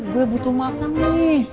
gue butuh makan nih